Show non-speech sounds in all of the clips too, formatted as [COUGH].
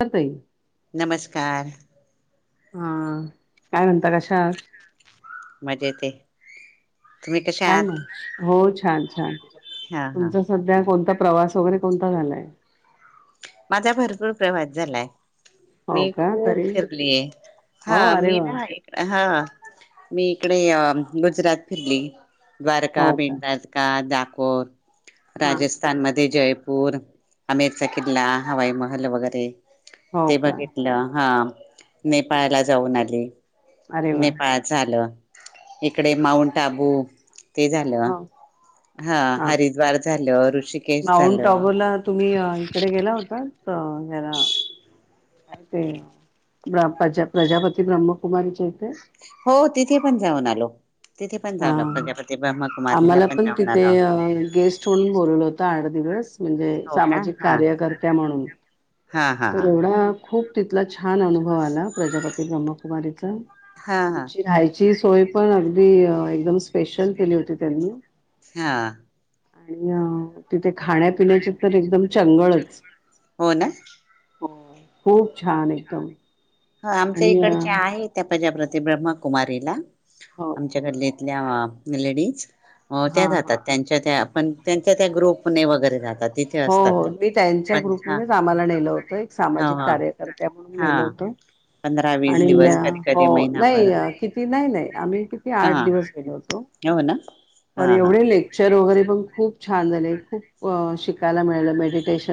का ताई नमस्कार हा काय म्हणता कशा आहात? मजेत येय काय ना हो छान हा हा हा तुमचा सध्या कोणता प्रवास वगैरे कोणता झालाय? माझा भरपूर प्रवास झालाय हो मी का खूप तरी फिरलीय हो हा अरे मी वा ना हा मी इकडे अ गुजरात फिरली द्वारका, हो का भिंडाजका जा होय. हा राजस्थानमध्ये जयप पूर [UNINTELLIGIBLE] चा किल्ला, हवाई महल वगैरे हो ते का बघितलं. हा. नेपाळला जाऊन आली. अरे वा नेपाळ झा इकडे माऊंट आबू ते झालं. हो हा- हरिद्वार झालं. ऋषिकेश माऊंट झालं अबूला तुम्ही इकडे गेला होतात? अं ह्याला - काय ते? प्रजा प्रजापती ब्रह्मकुमारीच्या इथे - हो, तिथे पण जाऊन आलो. तिथे पण हा. जाऊन प्रजापती ब्रह्मकुमारीला आम्हाला पण जाऊन तिथे आलो. गेस्ट म्हणून बोलवलं होत. दिवस म्हणजे हो का सामाजिक हा कार्यकर्त्या म्हणून. हा हा तर हा एवढा खूप तिथला छान अनुभव आला. प्रजापती ब्रह्मकुमारीचा हा हा आमची राहायची सो - सोय पण अगदी एकदम स्पेशल केली होती त्यांनी- हा. आणि तिथे खाण्यापिण्याचे तर एकदम चंगळच हो ना? हो, खूप छान एकदम ह. आमच्या आणि अ, इकडच्या आहे त्या पजाप्र ते ब्रह्मकुमारीला- हो. आमच्याकडली इथल्या लेडीज. अ त्या हां, जातात हां. त्यांच्या त्या पण त्यांच्या त्या ग्रुपने वगैरे जातात. तिथे हो असतात हो, त्या मी त्यांच्या पण हा ग्रुपनेच आम्हाला नेलं होतं. एक हो सामाजिक ह कार्यकर्त्या म्हणून हा नेलं होतं पंधरा वीस आणि दिवस कधी कधी हो महिनाभर नाही किती नाही नाही आम्ही किती हा आठ दिवस गेलो होतो. हो ना हा पण हा एवढे लेक्चर वगैरे पण खूप छान झाले खूप शिकायला मिळाले, मेडिटेश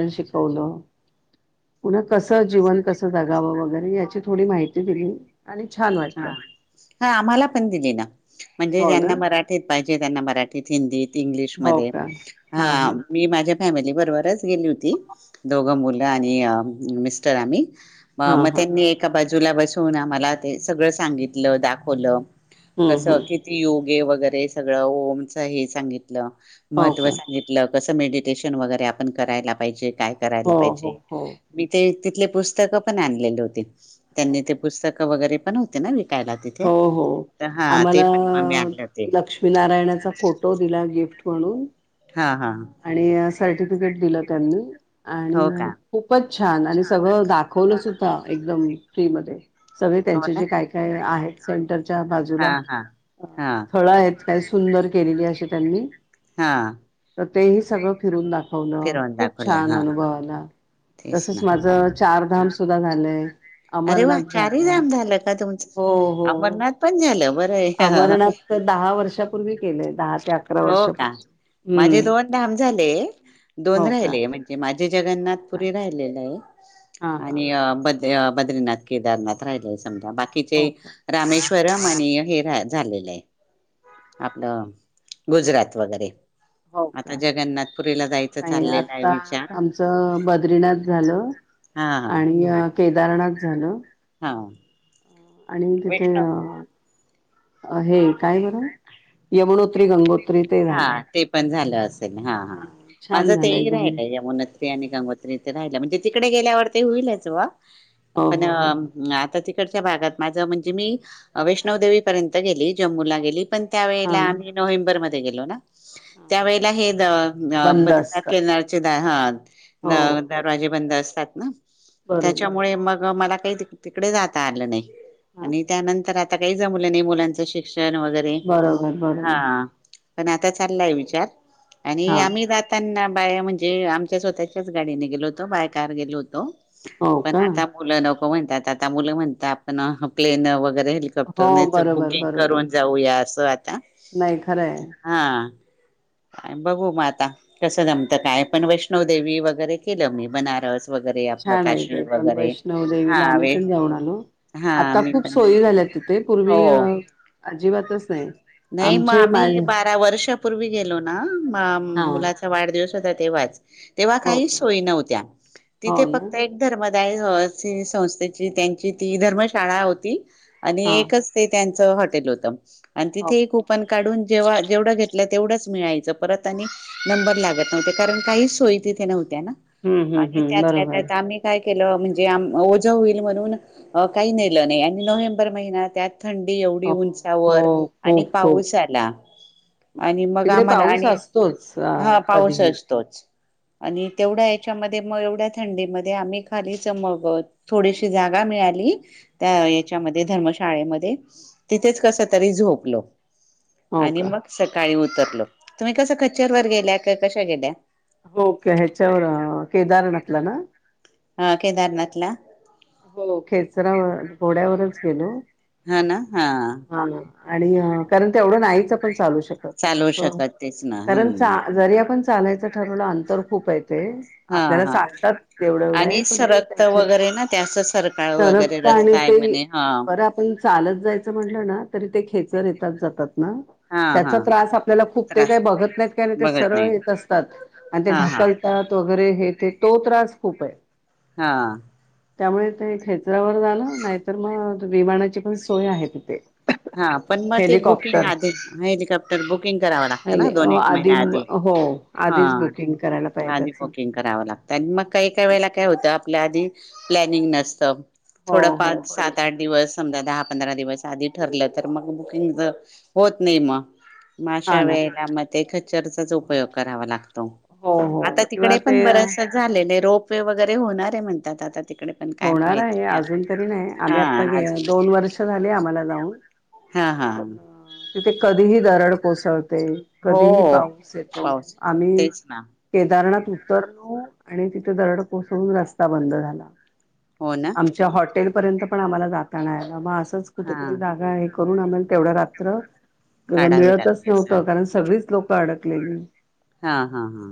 हा हा आम्हाला पण दिली ना म्हणजे हो ना ज्यांना मराठीत पाहिजे त्यांना मराठीत हिंदीत इंग्लिश हो मध्ये का हां हां फॅमिली बरोबरच गेली होती दोघं मुलं आणि मिस्टर आम्ही म हां म हां त्यांनी एका बाजू बाजूला बसून आम्हाला ते सगळं सांगितलं, दाखवलं हं कसं हं किती योग गे वगैरे सगळं ओमच हे सांगितलं. हो महत्व का सांगितलं. कसं मेडिटेशन वगैरे आपण करायला पाहिजे. काय करायला हो हो पाहिजे, हो मी ते तिथले पुस्तकं पण आणलेले होते. हो त्यांनी ते ना पुस्तक वगैरे नव्हते ना विकायला तिथे हो हो तर हा ते आम्हाला पण मग मी आणले होते लक्ष्मीनारायणाचा फोटो दिला गिफ्ट म्हणून. हा हा. आणि अ, सर्टिफिकेट दिलं त्यांनी हो का आणि खूपच छान आणि सगळं दाख खोलो सुद्धा एकदम फ्री मध्ये. सगळे हो त्यांचे ना जे काय काय आहेत. सेंटर हा बाजूला हा हा स्थळ आहेत. काही सुंदर केलेली अशी त्यांनी हा. तर तेही सगळं फिरून दाख वल, फिरवून खूप दाखवलं छान हा अनुव आला, तेच ना तसच माझ चारधम सुधा झालंय. अरे वा अमरनाथ चारही झालंय धाम झालं का तुमचं, अमरनाथ पण झालं बर अमरणात तर दहा वर्षापूर्वी केलेला. हा. हो का? माझे दोन धाम झाले, दोन हो का राहिले म्हणजे माझ जे हो का जगन्नाथपुरी राहिलेलं आहे. हा हा आणि अ ब बद्री नाथ केदार नाथ राहिलाय स ते म बाकीचे हो का रामेश कररम आणि हे रा झालेलं आहे आपलं गुजरात वगैरे. हो का आता जगन्नाथपुरीला जायचं नाही चाललेला आहे आता विचार आमचं बद्रीनाथ झालं हा हा आणि केदारनाथ झालं. हा आणि तिथे वैष्णव अ हे काय बर या म्हण त्री गांगो हा ते पण झालं होत. हा हा छान माझं ते झालं ही एकदम राहीलय यमुना आणि गंगोत्री इथे राहिला म्हजे तिकडे गेल्यावर ते होईलच वा हो पण हो हो आता त डच्या भागात माझ म्हणजे मी वैष्णवदेवीपर्यंत गेली जम्मूला गेली. पण हा त्यावेळेला आम्ही नोव्हेंबरमध्ये. गेलो ना. त्यावेेळेला हे द बंद बद्रीनाथ असत केनारचे द ह हो दरवाजे बंद अस त ना? बरोबर त्याच्यामुळे मग मला. काही तिकडे जाता आलं नाही हा आणि त्यानंतर आता आता काही जमलं नाही मुलांचं शिक्षण शिक्षण वगैरे बरोबर हा बरोबर पण आता चाललाय विचार आणि हा आम्ही जाताना बाय म्हणजे आमच्या स्वतःच्याच गाडीने गेलो होतो बाय कार गेलो होतो. हो पण का आता मुलं नको. हो म्हणतात आता मुलं म्हणतात आपण प्लेन व वगैरे हो हेलिकॉप्टरनेच बरोबर बुकिंग बरोबर करून जाऊया. चालेल नाही खरंय. हा बघू म आता कसं जमतं काय पण वैष्णवदेवी वगैरे केलं मी बनारस. वगैरे आपलं छान आहे ते काश्मीर पण वगैरे वैष्णव देवीला हा आम्ही वे पण जाऊन आलो हा आता मी खूप पण सोयी झाल्या तिथे हो पूर्वी अजिबात तच नाही नाही मग आमचे मा आम्ही बारा वर्षपूर्वी गेलो ना हा मुलाचा वाढदिवस होता तेव्हा तेवाच. तेव्हा हो काही का सोयी नव्हत्या हो तिथे ना फक्त एक धर्म संस्थेची त्यांची ती धर्मशाळा होती. आणि हा एकच ते त्यां च हाँटेल होतं. हो ते का. कूपन काढुन जेव्हा जेवढा घेत ल तेवढच मिळायच परत आणि नंबर लागत नव्ह कारण काही सोय नव्ह त्या ना हम्म हम्म आणि हम्म त्यातल्या बरोबर त्यात आमही काही केलं म्हणजे ओझं होईल म्हणून काही नेलं नाही, आणि नोव्हेंबर महिना त्यात थंडी एवढी हो हो उंचावर आणि खूप खूप पाऊस आला आणि बापरे. मग तिकडे आम्हाला पाऊस आणि असतोच अ, हा पाऊस कधीही असतोच. आणि तेवढ्या याच्यामध्ये मग एवढ्या थंडीमध्ये आम्ही खालीच मग थोडीशी जागा मिळाली त्या याच्यामध्ये धर्मशाळा शाळेमध्ये तिथेच कस तरी झोप लो. हो आणि का मग सकाळी उ तरलो तुम्ही कसं खेचर वर गेल्या कशा गेल्या हो ते ह्याच्यावर केदारनाथला ना? हा केदारनाथ ला हो खेचरावर घोड्यावरच गेलो. हा ना हा आणि कारण तेवढं नाहीच आपण चालू चालवू शकत शकत तेच ना कारण हम्म जरी आपण चालायच ठरवला अंतर खूप आहे. ते हा आपल्याला हा सांगतात तेवढं एवढं आहे पण ते त्याच्या अस सरकाळ वगैरे रस्ता आहे म्हणे हा बरं आपण चालत जायचं म्हटलं ना तरी ते खेचर येतात जातात. हा हा त्याचा त्रास आपल्याला खूप ते त्रास काही बघत नाहीत का ते बघत सरळ नाही येत असतात आणि ते हा हा ढकलतात व वगैरे हे ते तो त्रास खूप आहे. हा. त्यामुळे ते खेचरावर जाण, नाहीतर मग विमानाची पण सोय आहे तिथे. हा पण मग ते बुकिंग हेलिकॉप्टर आधी हेलिकॉप्टर बुकिंग करावं लागतं. ना हेली दोन एक महिन्या आधी हो हा आधीच बुकिंग करायला पाहिजे आधी त्याचं बुकिंग करावं लागतं. आणि मग काही काही असं वेळेला काय होतं आपल्या आधी प्लॅनिंग नसतं. हो थोडफार हो बरोबर सात आठ दिवस समजा दहा पंधरा दिवस आधी ठरलं तर मग बुकिंग होत नाही मग म हा अशा ना वेळेला म ख चरचाच उपयोग करावा लागतो. हो हो आता किंवा तिकडे ते पण बरास झालेले रोप पय वगैरे होणारे म्हणतात आता तिकडे पण काय होणार माहिती आहे नाही आता अजून तरी नाही. आम्ही आत्ता हा आज दोन वर्ष झाली. आम्हाला जाऊन हा हा पण तिथ कधीही जा दरड कोसळ कधीही हो पाऊस येतो. पाऊस आम्ही तेच ना केदारनाथ उतरलो आणि तिथे दरड कोसळून रस्ता बंद झाला. हो ना आमच्या हॉट हॉटेल पर्यंत पण आम्हाला जाता नाही आलं. हा कुठेतरी जागा आहे करून आम्हाला तेवढा रात्र काढावे मिळतच लागले नव्हतं कारण सगळीच लोक आडकलेली हा हा हा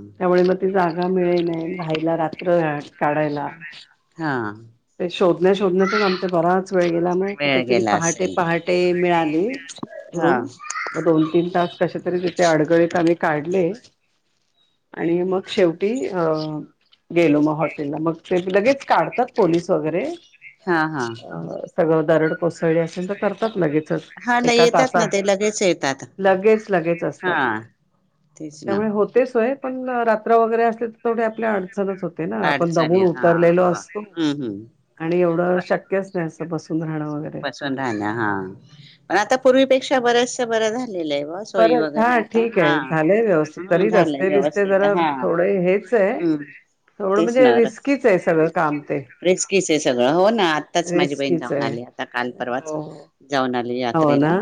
जागा मिळे नाही रायला रात्र काढायला. हा ते शोधण्या शोधण्यात आमचा बराच वेळ गेला. मग वेळ कुठेतरी गेला पहाटे असेल पहाटे मिळाली हा रूम म दोन तीन तास कश तरी तिथे अडगळीत आम्ही काढले आणि मग शेवटी अ गेलो मग हॉटेलला मग ते लगेच काढतात. पोलिस वगैरे हा हा सगळं दरड कोसळळी असेल तर करतात. लगेच हा ल एका येतात तासा ना ते लगेच येतात लगेच लगेच हा असतात. तेच ना त्यामुळे होते सोय पण रात्र वगैरे असले तर तेे आपल्याड होते ना आपण अडचणी दमून हा उतरलेलो बर असतो. हम्म हम्म आणि एवढं शक्यच नाही असं बस बसून राहण्या हा पण आता पूर्वीपेक्षा बरेच बरं झा बर हा ठीक आहे झालंय. व्यवस्थित ह तरी झालं रस्ते बिस्ते व्यवस्थित जरा हा थोडे हेच आहे हम्म थोड तेच म्हणजे ना रस् रिस्कीच आहे सगळं काम ते रिस्कीच आहे सगळं हो ना आत्ताच माझी बहीण रिस्कीच जाऊन आहे. आली आता काल हो परवाच जाऊन आले हो हो यात्रेला. ना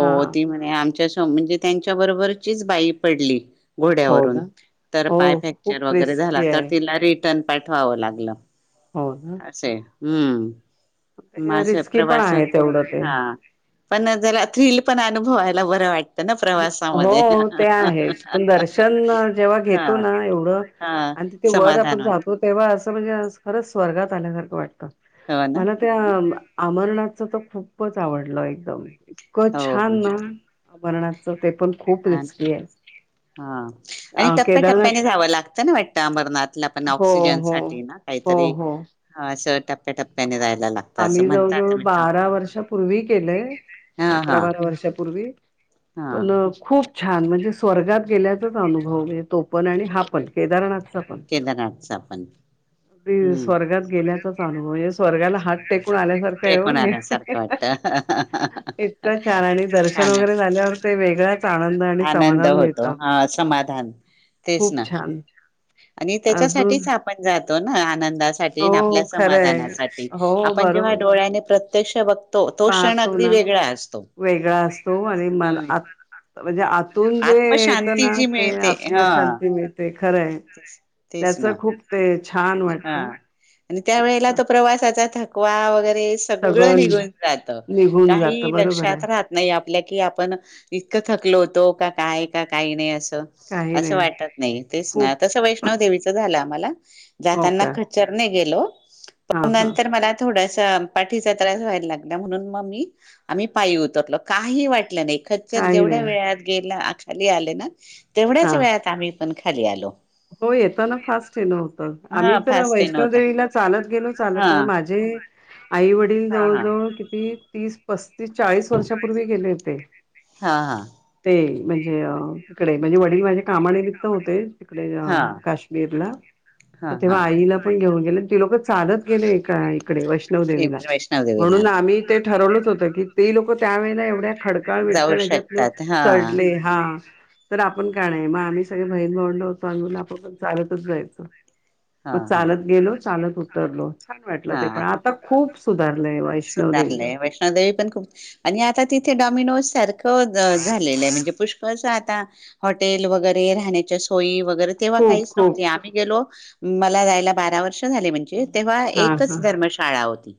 हा ती म्हणे आमच्या म्हणजे त्यांच्या बरोबरचीच बाई पडली हो घोड्यावरून. ना तर हो पाय फॅक्चर खूप वगैरे झाला, रिस्की तर आहे तिला रे न पाठवावं लागलं. हो ना असे हाय. हम्म. ते मास रिस्की पण प्रवास आहे तेवढं ते. हा पण जरा थ्रिल पण अनुभवायला बरं वाटतं. ना प्रवासामध्ये हो ते आहेच, पण दर्शन जेव्हा हा घेतो ना एवढं हा आणि तिथे वर समाधान आपण वाट जातो तेव्हा असं तसं म्हणजे खरंच स्वर्गात आल्यासारखं वाटतं. हो ना मला त्या अमरनाथचं तर खूपच आवडलं एकदम. इतक छान ना हो बरणार हा अ आणि केदारनाथ टप्प्याटप्प्याने जावं लागतं ना वाटतं अमरनाथला पण हो हो ऑक्सिजनसाठी ना हो काहीतरी हो असं टप्प्याटप्प्याने जाय आम्ही जवळजवळ बारा वर्षापूर्वी केलंय. हा अकरा हा बारा वर्षापूर्वी हा पण खूप खूप छान म्हणजे स्वर्गात गेल्याचाच अनुभव तो पण आणि हा पण केदारनाथ केदारनाथच पण हम्म. तोच अनुभव यस स्वर्गाला हात टेकून आल्यासारखं आहे हो टेकून आल्यासारखं हे. वाटत इतकं छान आणि दर्शन छान वगैरे झाल्यावर तर वेगळाच आनंद आणि आनंद समाधान मिळत. होतो हा समाधान तेच खूप ना छान. आणि अजून त्याच्यासाठीच आपण जातो ना, आनंदासाठी हो आणि आपल्या खरंय समाधानासाठी. हो आपण जेव्हा बरोबर डोळ्याने प्रत्यक्ष बघ पाहतो ना वेगळा असतो आणि मला हम्म आत म्हणजे आत आतून जे येत आत्मशांती ना जी ते मिळते हा आत्मशांती मिळते खरं आहे. तेच ना हा वाटतं आणि त्या वेळेला मस्त तो प्रवासाचा थक थकवा वगैरे सगळं निघून जात. निघून जात काही बरोबर लक्षात आहे राहत नाही आपल्या कि आपण इतकं थकलो होतो. का काय का काही नाही अस. काही असं नाही वाटत नाही तेच ना खूप तस वैष्णव देवीच झाला आमचं. आम्हाला हो जाताना का खचर ने गेलो. हा पण हा नंतर मला थोडस पाठीचा त्रास व्हायला लागला म्हणून मग मी आम्ही पायी उतरलो काही वाटलं नाही. खच्चर काही जेवढ्या नाही वेळ खाली आले ना. तेवढ्याच हा वेळात आम्ही पण खाली आलो. हो येताना फास्ट येलं होतं आम्ही हा तर फास्ट ट्रेन होता वैष्णवदेवीला चालत गेलो चालत तर हा माझे आई वडील हा हा जवळजवळ किती तीस, पस्तीस चाळीस वर्षापूर्वी गेले होते हा हा ते म्हणजे तिकडे म्हणजे वडील माझे कामानिमित्त होते. तीकडे हा काश्मीरला हा हा तेव्हा आईला पण घेऊन आगं ती लोक चालत गेले काय? वैष्णव देवीला वैष्णवदेवीला म्हणून आम्ही ते ठरवलंत होत की ते लोक त्या वेळेला एवढ्या खडकाळ जाऊ विडकाळ हच्यातन शकतात हा चडले हां तर आपण काय नाही मग आम्ही सगळे बहीण भावंड होतो. [UNINTELLIGIBLE] लून आपण पण चालतच जायचं हा मग हा चालत गेलो. चालत उतरलो. छान वाटलं ते पण आता खूप सुधा सुधारलय वैष्णवदेवी पण खूप आणि आता तिथे डॉ [UNINTELLIGIBLE] सारखं झालेलं म्हणजे पुष्कळ शे आता हॉटेल वगैरे राहण्याच्या सोयी वगैरे तेव्हा खूप काहीच खूप नव्हते आम्ही गेलो मला जायला बारा वर्ष झाले म्हणजे. तेव्हा हा एकच हा धर्मशाळा होती.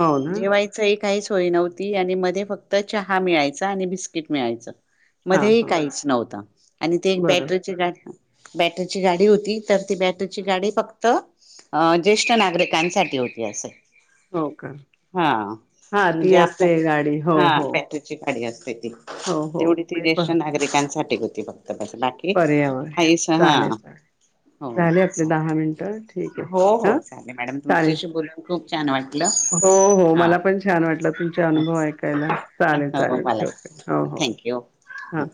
हो ना जेवायचंही काहीच सोय नव्हती आणि मध्ये फक्त चहा मिळायचा आणि बिस्किट मिळायच. हा मध्येही हा काहीच नव्हतं आणि ते एक बरं बॅटरीची गाडी. बॅटरीची तर ती बॅटरीची गाडी फक्त अ ज्येष्ठ नागरिकांसाठी होती असं. हो का. हा हा ती म्हणजे आपल्या असते गाडी हो हा हो बॅटरीची गाडी अस हो हो तेवढी त म्हणजे प- ज्येष्ठ नागरिकांसाठी ती होती [UNINTELLIGIBLE] बाकी पर्यावरण [UNINTELLIGIBLE] हा चालेल चालेल हो झाले आपले चा दहा मिनिटं ठीक आहे हो हो हा चालेल मॅडम चालेल तुमच्याशी बोलून खूप छान वाटलं. हो हो हा मला पण छान वाटलं तुमचा अनुभव ऐकायला चालेल हो चालेल ठेवते मलाही हो हो थँक्यू ह.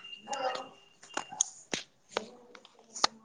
ह [UNINTELLIGIBLE]